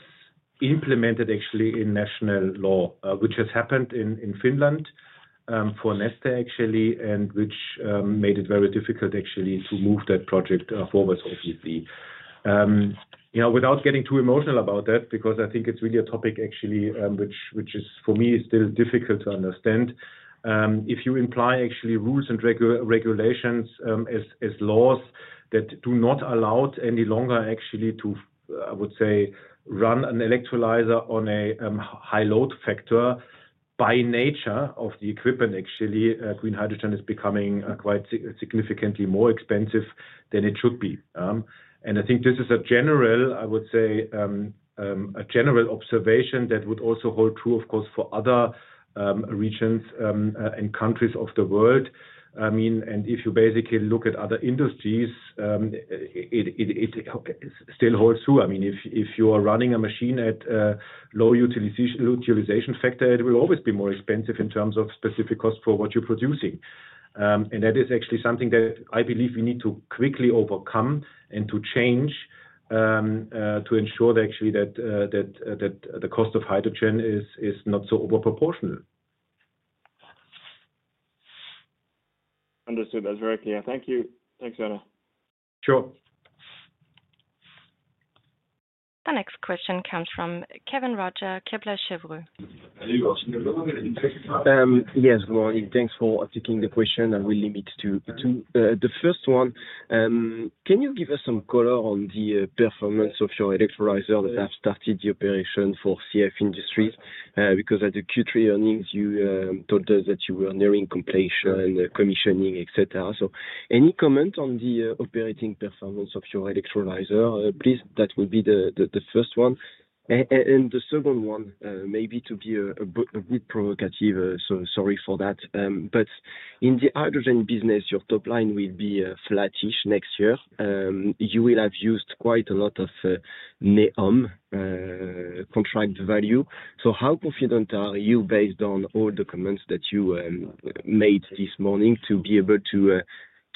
implemented, actually, in national law, which has happened in Finland for Neste, actually, and which made it very difficult, actually, to move that project forward, obviously. Without getting too emotional about that, because I think it's really a topic, actually, which is, for me, still difficult to understand. If you imply, actually, rules and regulations as laws that do not allow any longer, actually, to, I would say, run an electrolyzer on a high-load factor by nature of the equipment, actually, green hydrogen is becoming quite significantly more expensive than it should be. And I think this is a general, I would say, a general observation that would also hold true, of course, for other regions and countries of the world. I mean, and if you basically look at other industries, it still holds true. I mean, if you are running a machine at a low utilization factor, it will always be more expensive in terms of specific cost for what you're producing. And that is actually something that I believe we need to quickly overcome and to change to ensure, actually, that the cost of hydrogen is not so overproportional. Understood. That's very clear. Thank you. Thanks, Werner. Sure. The next question comes from Kévin Roger of Kepler Cheuvreux. Yes, Laurent, thanks for taking the question. I will limit to the first one. Can you give us some color on the performance of your electrolyzer that have started the operation for CF Industries? Because at the Q3 earnings, you told us that you were nearing completion, commissioning, etc. So any comment on the operating performance of your electrolyzer? Please, that will be the first one. And the second one, maybe to be a bit provocative, so sorry for that. But in the hydrogen business, your top line will be flattish next year. You will have used quite a lot of NEOM contract value. So how confident are you, based on all the comments that you made this morning, to be able to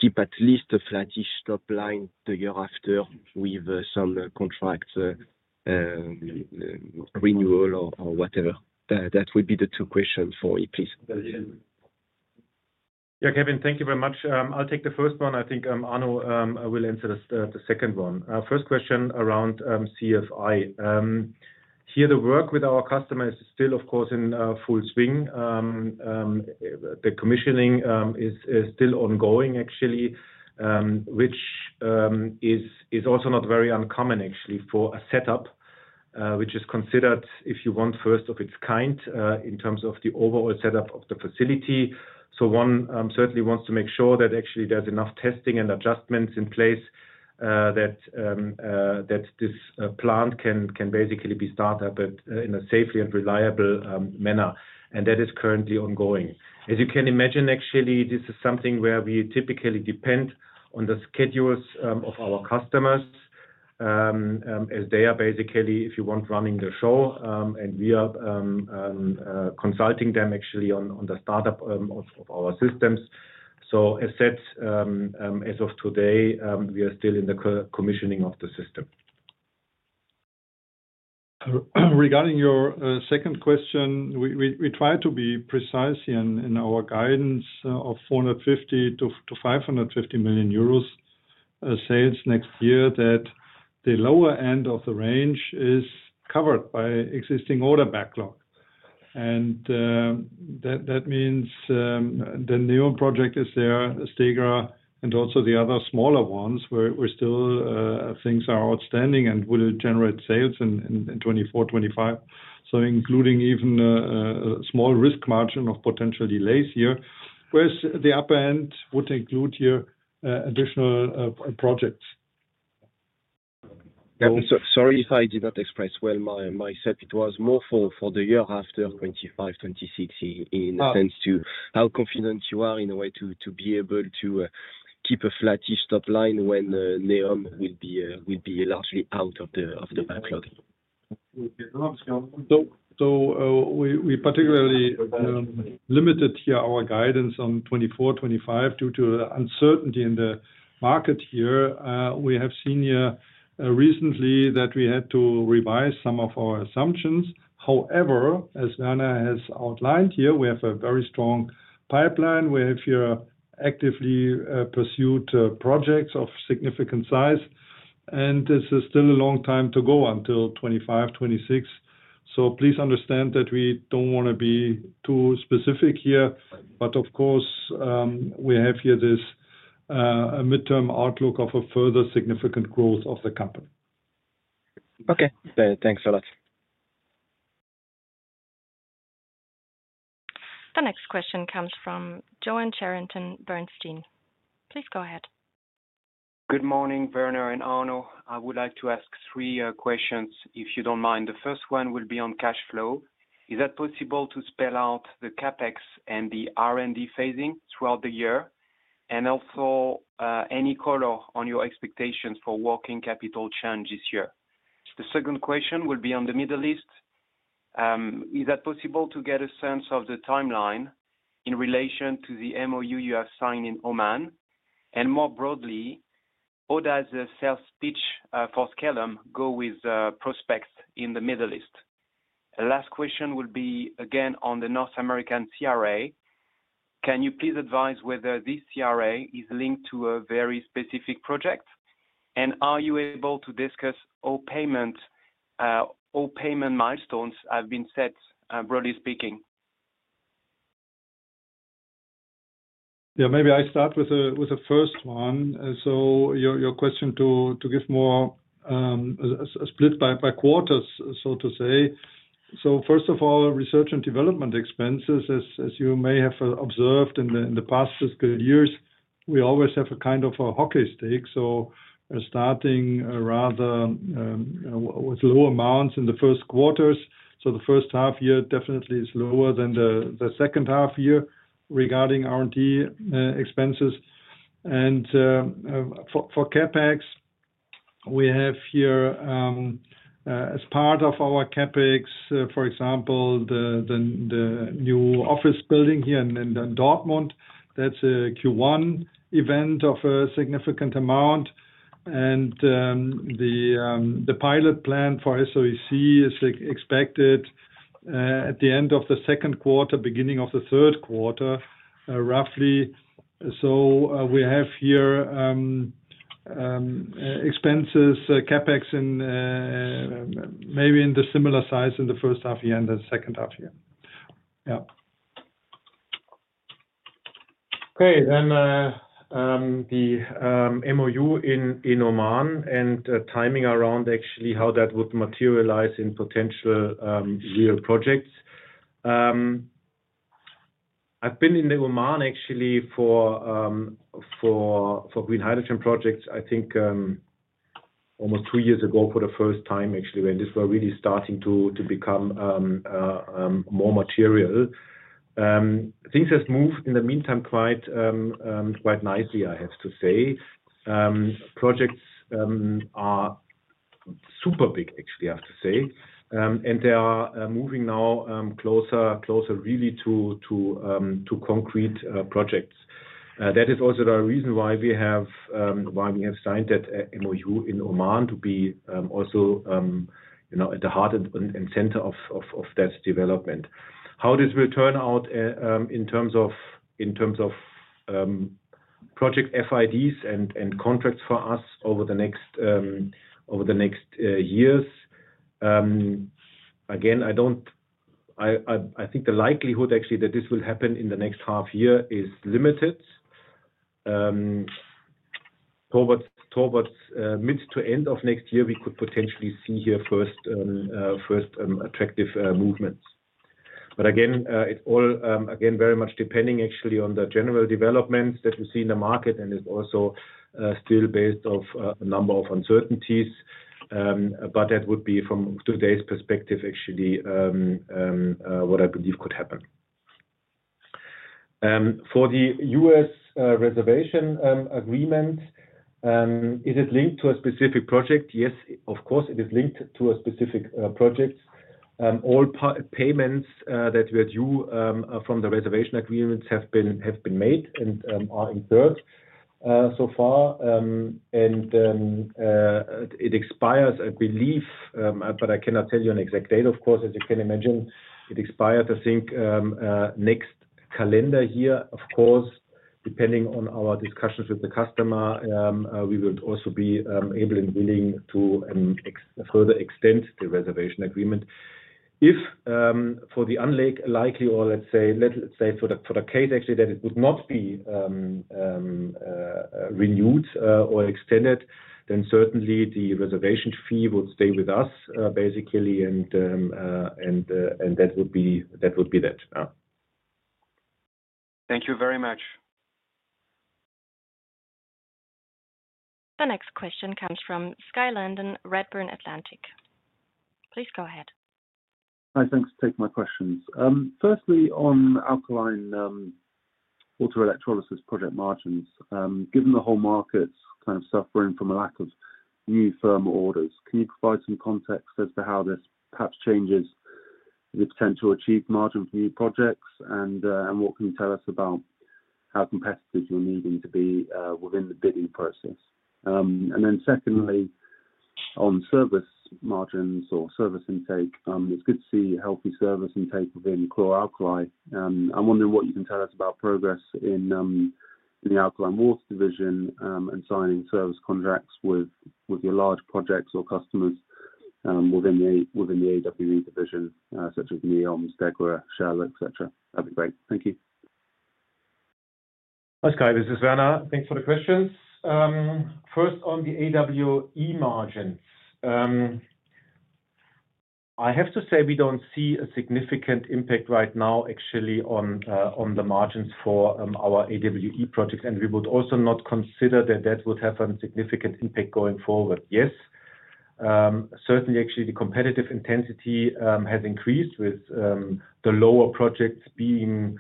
keep at least a flattish top line the year after with some contract renewal or whatever? That would be the two questions for you, please. Yeah, Kévin, thank you very much. I'll take the first one. I think Arno will answer the second one. First question around CFI. Here, the work with our customers is still, of course, in full swing. The commissioning is still ongoing, actually, which is also not very uncommon, actually, for a setup which is considered, if you want, first of its kind in terms of the overall setup of the facility. So one certainly wants to make sure that, actually, there's enough testing and adjustments in place that this plant can basically be started in a safe and reliable manner. And that is currently ongoing. As you can imagine, actually, this is something where we typically depend on the schedules of our customers as they are basically, if you want, running the show. And we are consulting them, actually, on the startup of our systems. So as said, as of today, we are still in the commissioning of the system. Regarding your second question, we try to be precise in our guidance of 450 million-550 million euros sales next year, that the lower end of the range is covered by existing order backlog, and that means the NEOM project is there, Stegra, and also the other smaller ones where still things are outstanding and will generate sales in 2024-2025, including even a small risk margin of potential delays here, whereas the upper end would include here additional projects. Sorry if I did not express well myself. It was more for the year after 2025-2026 in a sense to how confident you are in a way to be able to keep a flattish top line when NEOM will be largely out of the backlog. We particularly limited here our guidance on 2024-2025 due to uncertainty in the market here. We have seen here recently that we had to revise some of our assumptions. However, as Werner has outlined here, we have a very strong pipeline. We have here actively pursued projects of significant size. And this is still a long time to go until 2025-2026. So please understand that we don't want to be too specific here. But of course, we have here this midterm outlook of a further significant growth of the company. Okay. Thanks a lot. The next question comes from Yoann Charenton, Bernstein. Please go ahead. Good morning, Werner and Arno. I would like to ask three questions, if you don't mind. The first one will be on cash flow. Is it possible to spell out the CapEx and the R&D phasing throughout the year? And also any color on your expectations for working capital change this year? The second question will be on the Middle East. Is it possible to get a sense of the timeline in relation to the MOU you have signed in Oman? And more broadly, how does the sales pitch for scalum go with prospects in the Middle East? Last question will be again on the North American CA. Can you please advise whether this CA is linked to a very specific project? And are you able to discuss all payment milestones have been set, broadly speaking? Yeah, maybe I start with the first one. So your question to give more split by quarters, so to say. So first of all, research and development expenses, as you may have observed in the past fiscal years, we always have a kind of a hockey stick. So starting rather with low amounts in the first quarters. The first half year definitely is lower than the second half year regarding R&D expenses. For CapEx, we have here as part of our CapEx, for example, the new office building here in Dortmund. That's a Q1 event of a significant amount. The pilot plant for SOEC is expected at the end of the second quarter, beginning of the third quarter, roughly. We have here expenses. CapEx maybe in the similar size in the first half year and the second half year. Yeah. Okay. The MOU in Oman and timing around actually how that would materialize in potential real projects. I've been in Oman actually for green hydrogen projects. I think almost two years ago for the first time, actually, when this was really starting to become more material. Things have moved in the meantime quite nicely, I have to say. Projects are super big, actually, I have to say. And they are moving now closer, really, to concrete projects. That is also the reason why we have signed that MOU in Oman to be also at the heart and center of that development. How this will turn out in terms of project FIDs and contracts for us over the next years, again, I think the likelihood actually that this will happen in the next half year is limited. Towards mid to end of next year, we could potentially see here first attractive movements. But again, it's all again very much depending actually on the general developments that we see in the market and is also still based off a number of uncertainties. But that would be from today's perspective, actually, what I believe could happen. For the U.S. reservation agreement, is it linked to a specific project? Yes, of course, it is linked to a specific project. All payments that were due from the reservation agreements have been made and are incurred so far. And it expires, I believe, but I cannot tell you an exact date, of course, as you can imagine. It expires, I think, next calendar year. Of course, depending on our discussions with the customer, we would also be able and willing to further extend the reservation agreement. If for the unlikely, or let's say for the case actually that it would not be renewed or extended, then certainly the reservation fee would stay with us, basically. And that would be that. Thank you very much. The next question comes from Skye Landon, Redburn Atlantic. Please go ahead. Hi, thanks. Take my questions. Firstly, on alkaline water electrolysis project margins, given the whole market's kind of suffering from a lack of new firm orders, can you provide some context as to how this perhaps changes the potential achieved margin for new projects? And what can you tell us about how competitive you're needing to be within the bidding process? And then secondly, on service margins or service intake, it's good to see healthy service intake within chlor-alkali. I'm wondering what you can tell us about progress in the alkaline water division and signing service contracts with your large projects or customers within the AWE division, such as NEOM, Stegra, Shell, etc. That'd be great. Thank you. Hi, Skye. This is Werner. Thanks for the questions. First, on the AWE margins, I have to say we don't see a significant impact right now, actually, on the margins for our AWE projects. We would also not consider that that would have a significant impact going forward. Yes, certainly, actually, the competitive intensity has increased with the lower projects being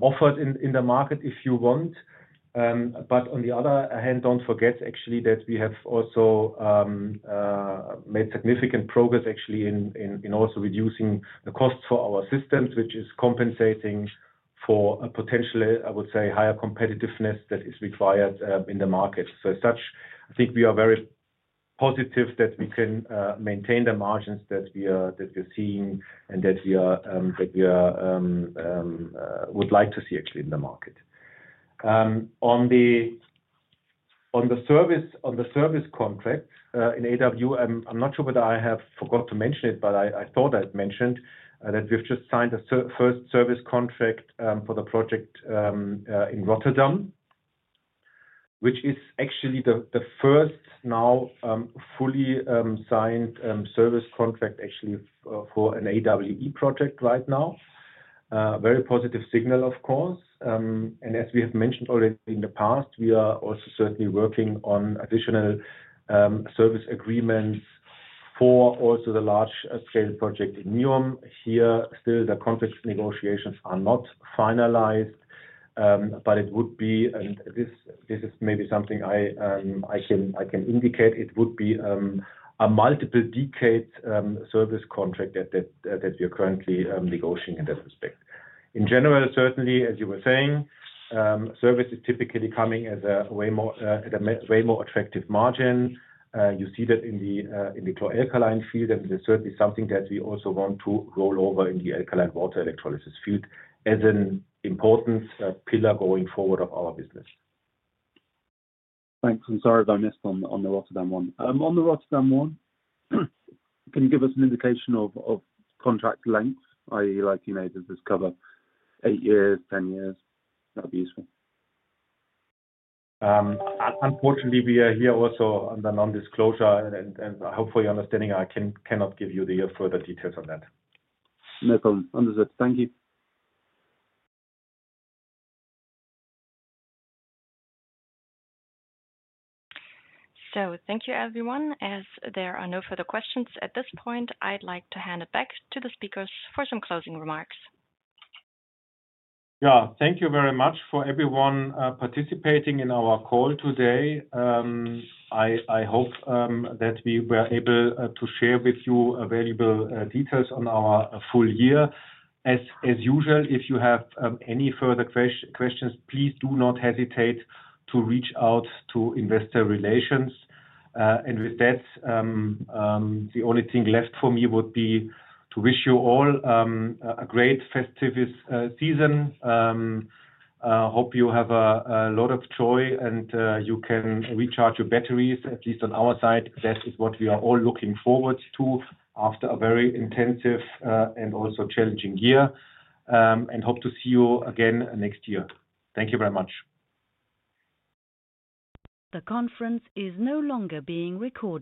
offered in the market, if you want. On the other hand, don't forget, actually, that we have also made significant progress, actually, in also reducing the costs for our systems, which is compensating for a potentially, I would say, higher competitiveness that is required in the market. As such, I think we are very positive that we can maintain the margins that we are seeing and that we would like to see, actually, in the market. On the service contract in AWE, I'm not sure whether I have forgot to mention it, but I thought I'd mentioned that we've just signed the first service contract for the project in Rotterdam, which is actually the first now fully signed service contract, actually, for an AWE project right now. Very positive signal, of course. And as we have mentioned already in the past, we are also certainly working on additional service agreements for also the large-scale project in NEOM. Here, still, the contract negotiations are not finalized, but it would be, and this is maybe something I can indicate, it would be a multiple-decade service contract that we are currently negotiating in that respect. In general, certainly, as you were saying, service is typically coming at a way more attractive margin. You see that in the chlor-alkali field, and it's certainly something that we also want to roll over in the alkaline water electrolysis field as an important pillar going forward of our business. Thanks. I'm sorry if I missed on the Rotterdam one. On the Rotterdam one, can you give us an indication of contract length, i.e., does this cover eight years, 10 years? That'd be useful. Unfortunately, we are here also under non-disclosure, and hopefully, understanding I cannot give you the further details on that. No problem. Understood. Thank you. So thank you, everyone. As there are no further questions at this point, I'd like to hand it back to the speakers for some closing remarks. Yeah. Thank you very much for everyone participating in our call today. I hope that we were able to share with you valuable details on our full year. As usual, if you have any further questions, please do not hesitate to reach out to Investor Relations. And with that, the only thing left for me would be to wish you all a great festive season. I hope you have a lot of joy and you can recharge your batteries, at least on our side. That is what we are all looking forward to after a very intensive and also challenging year. And hope to see you again next year. Thank you very much. The conference is no longer being recorded.